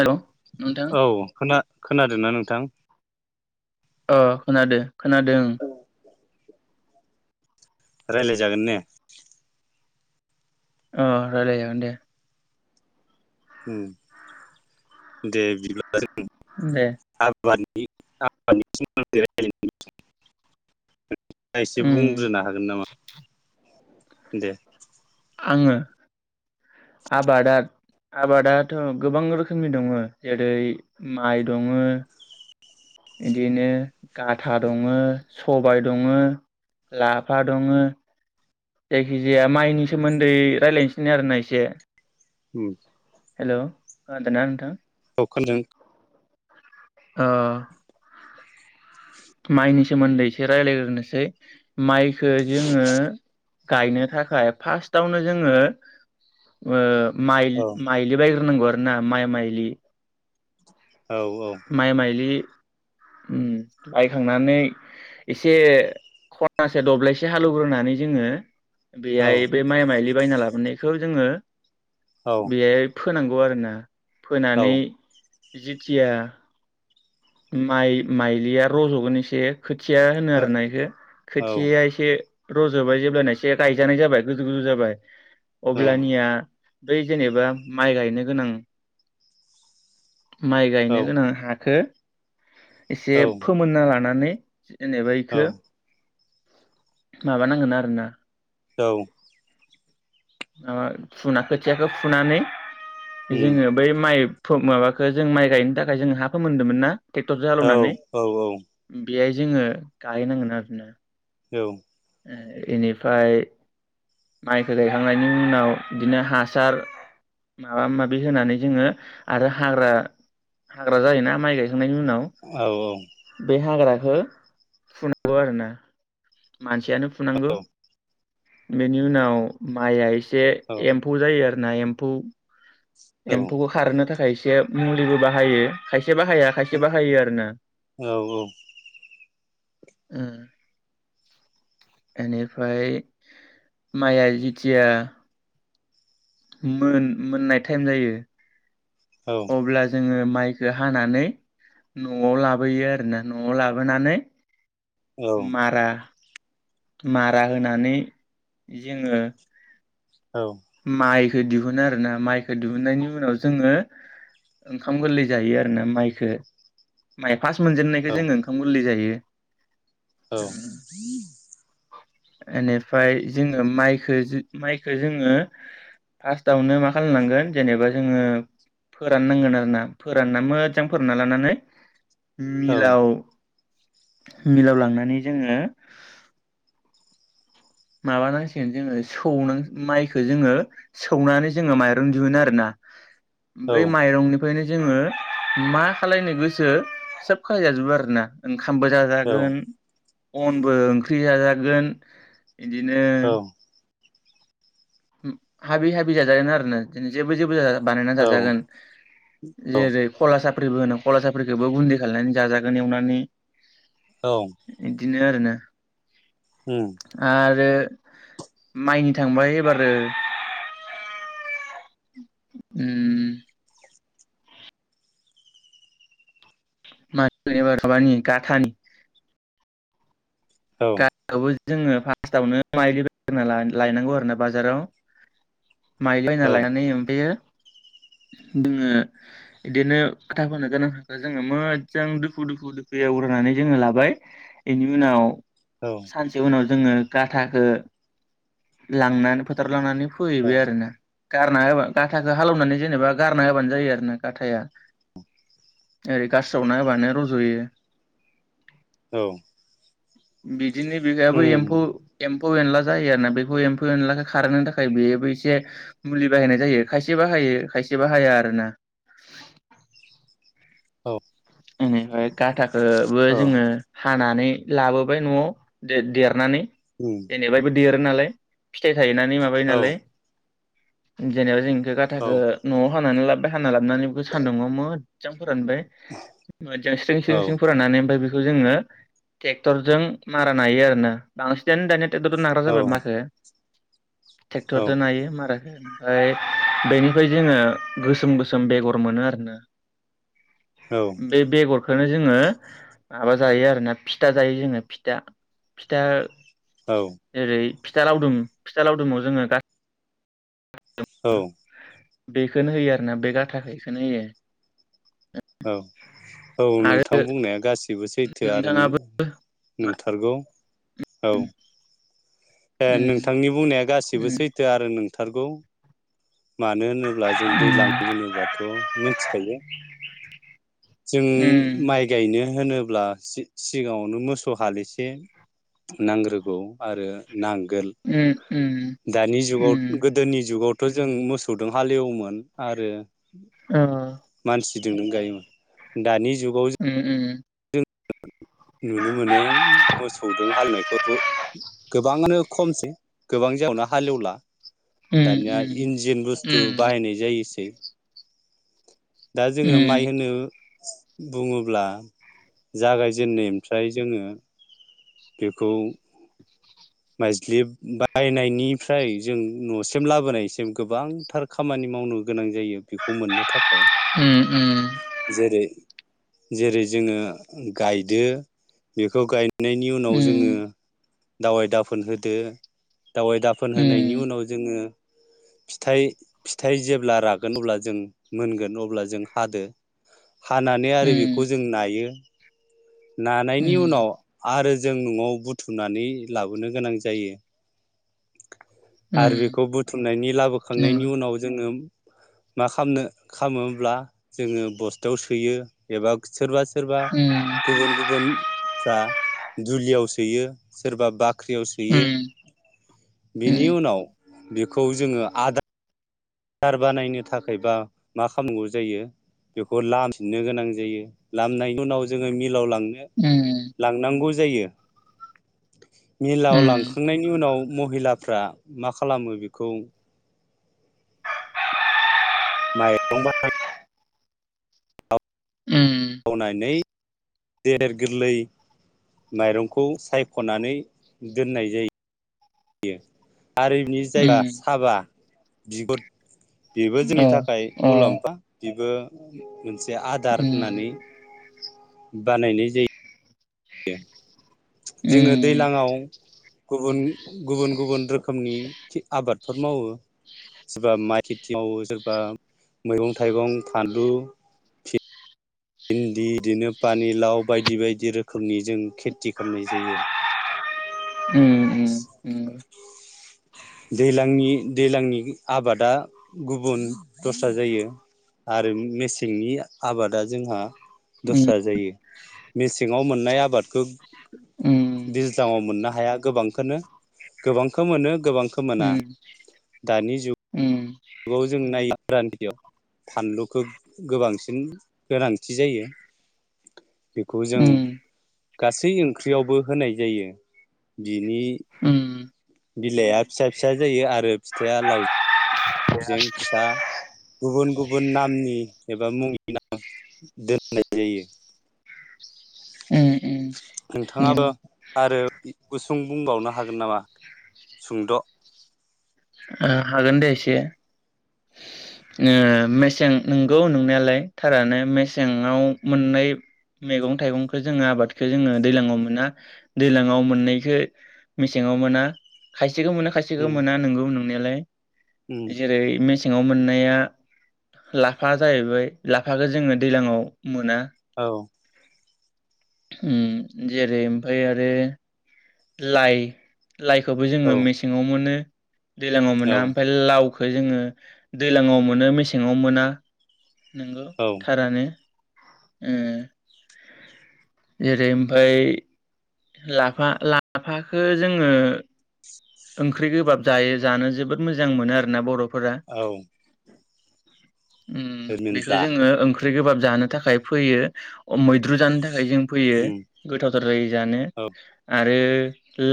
Hello नोंथां औ खोना खोनादोना नोंथां? अ खोनादो खोनादो ओं। रायलायजागोन ने? अ रायलायजागोन दे। हम दे बिदिब्ला जों दे आब [unintelligible] नोंथाङा एसे उम बुंग्रोनो हागोन नामा? दे आङो आबादार आबादाथ' गोबां रोखोमनि दङो जेरै माइ दङो इदिनो गाथा दङो सबाइ दङो लाफा दङो जायखि जाया माइनि सोमोन्दै रायलायनोसै आरोना एसे उम हेल' खोनादोना नोंथां औ खोनादों अ माइनि सोमोन्दै एसे रायज्लायग्रोनोसै माइखो जोङो गायनो थाखाय फार्स्टआवनो जोङो ओ माइ औ माइलि बाग्रो नांगौ आ ना माइ माइलि औ माइ माइलि उम बायखांनानै एसे खनासे दब्लायसे हालौवग्रोनानै जोङो औ बेयाय बे माइ माइलि बायना लाबोनायखौ जोङो औ बेयाय फो फोनांगौ आरो ना औ फोनानै जिथिया माइ माइलिया रज'गोन एसे खोथिया होनो औ आरोना इखो खोथियाया एसे रज'बाय जेब्लाना एसे गायजानाय जाबाय गोजौ गोजौ जाबाय औ अब्ला निया बै जेनेबा माइ गायनो गोनां माइ गायनो गोनां हाखो एसे औ उम फोमोनना लानानै जेनेबा इखो माबा नांगोन आरोना औ माबा फुना खोथियाखौ फुनानै जोङो बै माइ फो माबाखो जों माइ गायनो थाखाय जों हाफोमोन्दोंमोन ना औ औ औ बेयाय जोङो गाययैनांगोन आरोना औ ओ इनिफ्राय माइखो गायखांनायनि उनाव बिदिनो हासार माबा माबि होनानै जोङो आरो हाग्रा हाग्रा जायोना माइ गाय खांनायनि उनाव औ औ बे हाग्रा हो फुनांगौ आरोना मानसियानो फुनांगौ बेनि उनाव माइ आइस से एम्फौ जायो आरो। नाय एम्फौ एम्फौखौ औ खारनो थाखाय सेब मुलिबो बाहायो खाय से बाहाया औ खायसे बाहायो आरोना । उम एनिफ्राय माइआ जिथिया मोन मोननाय टाइम जायो अब्ला जोंङो माइखो हानानै न'आव लाबोयो आरोना न'आव लाबोनानै मारा मारा होनानै जोंङो माइ दिहुननो आरोना माइखो दिहुननायनि उनाव जोंङो ओंखाम गोरलै जायो आरोना माइखो माइ फास मोनजेननायखौ जोंङो ओंखाम गोरलै जायो । औ एनिफ्राय जोंङो माइखो जो माइखो जोंङो । फास्टआवनो मा खालामनांगोन जेनेबा जोंङो फोराननांगोन आरोना फोरानना मोजां फोरानना लानानै मिलाव औ मिलाव लांनानै जोंङो माबानांसिगोन जोंङो सौनां माइखौ जोंङो सौनानै जोंङो माइरं दिहोन आरोना । बै माइरंनि फायनो जोंङो मा खालायनो गोसो सोब खालायजाजोबो आरोना ‌। खामबो जाजागोन । अनबो ओंख्रि जाजागोन इदिनो हाबि हाबि जाजागोन आरोना दिनो जेबो जेबो जाजा बानायना जाजागोन औ जेरै कलासा फ्रिबो होनो कला साफ्रिखौबो गुन्दै खालायनानै जाजागोन एवनानै औ दिनो ओरोनो उम आरो माइनि थांबाय ब्लारो उम माइखौ एबार खाबानि गाथानि औ गाथाखौबो जोङो फार्स्टावनो माइलि बायना लायनांगौ आरो ना बाजाराव माइलि बायना औ लायनानै ओ ओमफायो दि औ सानसे उनाव जोङो गाथाखो लांनानै फोथाराव लानानै औ फोहैबाय आरोना गारना होबा गाथाखो हालौनानै जेनेबा गारना होबा जायो आरो ना गाथाया ओरै गारस्रावना होबानो रज'यो औ बि दिनि बिगायाबो उम एम्फो एम्फौ एनला जायो आरोना बे फौ एम्फौ एनलाखौ खारोनो थाखाय बेयोबो एसे मुलि बाहायनाय जायो खायसे बाहायो खायसे बाहाया आरो ना औ ओम हाय गाथाखोबो औ लाबोबाय न'आव दो-देरनानै उम जेनेबा देरनानै नालाय फिथाइ थायनानै माबायो औ नालाय जनेबा जिं बे औ गाथाखो न'आव हानानै लाबोबाय हाना लाबोनानै बेखौ सानदुंआव मोजां फ फोरानबाय मोजां स्रें स्रें औ स्रें फोरानानै ओमफ्राय बि बेखौ जोङो टेक्टरजों मारा नायायो आरोना बांसिनानो दानिया टेक्टरदो नाग्रा जाबाय माखो ट्रेक्टरजों नायो मारा खो ओमफाय बेनिफाय जोङो बे बेगर खोनो जोङो माबा जायो आरोना फिथा जायो जोङो फिथा फिथा ओरै फिथा लावदुम फिथा लावदुमाव जोङो गा औ बेखोनो होयो आरोना बे गाथाखो एखोनो होयो। औ। औ आरो नोंथां बुंनाया गासिबो सैथो आरो नों नोंथाङाबो मा नोंथारगौ। औ। ओ उम नोंथांनि बुंनाया गासिबो उम सैथो आरो नों थारगौ मानो होनोब्ला जों दैज्लां होनोबाथ' मोनथिखायो जों उम माइ गायनो होनोब्ला सि-सिगाङावनो मोसौ हालसे नांग्रोगौ आरो नां गोल उम उम दानि जुगाव उम गोदोनि जुगाव थ' जों मोसौजों हालेवोमोन आरो अ मानसि गिदिं नों गायोमोन दानि जुगाव उम उम उम। नुनो मोनो मोसौजों हालेनायखौबो गोबाङानो खमसै गोबां जावनो हालेवला दानिया इन्जिन बुस्थु बाहायनाय जायोसै दा जोङो माइ होनो बुङोब्ला जागायजेन्नायनिफ्राय जोङो बेखौ माइज्लि बानायनिफ्राय जों न'सिम लाबोनायसिम गोबांथार खामानि मावनो गोनां जायो बेखौ मोननो थाखाय उम। जेरै जेरै जोङो गायदो बेखौ गाय नायनि उनाव जोङो दावाइ दाफोन होदो दावाइ दाफोन होनायनि उनाव जोङो फिथाइ फिथाइ जेब्ला रागोन अब्ला जों मोनगोन अब्ला जों हादो हानानै आरो बेखौ जों नायो नानायनि उनाव आरो जों न'आव बुथुमनानै लाबोनो गोनां जायो आरो बेखौ बुथुमनायनि लाबोखांनायनि उनाव जोङो मा खामनो खामोब्ला जोङो बस्थायाव सोयो एबा सोरबा सोरबा उम गुबुन गुबुन फ्रा दुलियाव सोयो सोरबा बा बाख्रियाव सोयो। उम बिनि उनाव बेखौ जोंङो आदा र बानायनो थाखायबा मा खालामगौ जायो बेखौ लामफिननो गोनां जायो लामनायनि उनाव जोंङो मिलाव लांनो लांनांगौ जायो मिलाव उम लांखांनायनि उनाव महिलाफ्रा मा खालामो बेखौ माइरंबा उम मावनानै देर गोरलै माइरंखौ सायख'नानै दोननाय जायो। यो आरोनि जायबा उम उम साबा बिगुद बेबो अ जोंनि थाखाय अ मुलाम्फा बेबो मोनसे आदार उम होननानै बानायनाय जा जोंङो उम उम दैज्लांव गुबुन गुबुन गुबुन रोखोमनि आबादफोर मावो सोरबा माइ खेथि मावो सोरबा मैगं थाइगं फानलु भिन्दि बिदिनो पानिलाव बायदि बायदि रोखोमनि जों खेथि खामनाय जायो। अम अम [inaudible] दैलांनि-दैलांनि आबादा गुबुन दस्रा जायो आरो मेसेंनि आबादा जोंहा नंगौ उम दस्रा जायो मेसेङाव मोननाय आबादखौ उम दैजलाङाव मोननो हाया गोबांखोनो गोबांखो मोनो गोबां खो मोना उम उम दानि जुग उम जुगाव जों नाय गोरांथियाव फानलुखौ गोबांसिन गोनांथि जायो बेखौ जों गासै ओंख्रियावबो होनाय जायो बिनि उम बिलाइआ फिसा फिसा जायो आरो फिथाइा लाव जें फिसा गुबुन गुबुन नामनि एबा मुंनि नाम दोननाय जायो। नंगौ नोंथाङाबो आरो गुसुं बुंबावनो हागोन नामा सुंद' हागोन दे एसे ओ मेसें नंगौ नंनायालाय थारानो मेसेंङाव मोननाय मैगं थाइगंखौ जोंङो आबादखौ जोंङो दैलाङाव मोना दैलाङाव मोननायखौ मेसेङाव मोना खाय सेखौ मोनो खाासेखौ उम मोना नोंगौ नोंनायालाय उम जेरै में सेंङाव मोननाया लाफा जाहैबाय लाफाखौ जोंङो दैज्लाङाव मोना। औ अम जेरै ओमफाय आरो लाय लायखौबो औ जोंङो मेसेङाव मोनो। दैलाङाव मोना औ ओमफ्राय लाव बे जोंङो दैजलांव मोनो मेसेंङाव मोना। नोंगौ औ थारानो अम जेरै ओमफ्राय लाफा लाफाखो जोंङो ओंख्रि गोबाब जायो जानो जोबोद मोजां मोनो आरोना बर' औ अम बेखौ रिमोनला जोंङो ओं ख्रि गोबाब जानो थाखाय फैयो मैद्रु जानो था खाय जों फोयो उम गोथावथार जायो जानो औ आ रो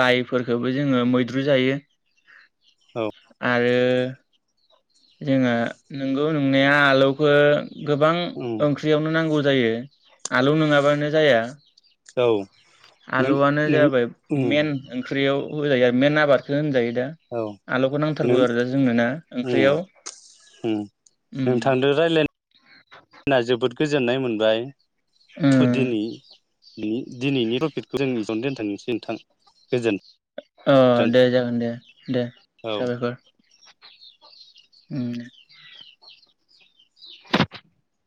लाइफोरखौबो जोंङो मै द्रु जायो। औ आरो जोङो नंगौ नंनाया आलौखो गोबां उम ओंख्रियावनो नांगौ जायो आलौ नङाबानो जाया औ नों आलुआनो नों जाबाय उम मेन ओंख्रियाव जायो आरो मेन आबादखो दा औ आलौखौ नांथारगौ आरो दा जोंनो ना ओंख्रियाव। उम नों थांदो रायलायनो। [inaudible] फ्राय उम थुदिनि दिनैनि टपिकखौ जों इसेयावनो दोनथांनोसै नोंथां गोजोन्थों। अ दे जागोन दे-दे औ साबायखर। [inaudible] [inaudible]